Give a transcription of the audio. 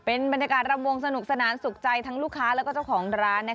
เป็นบรรยากาศรำวงสนุกสนานสุขใจทั้งลูกค้าและเจ้าของร้าน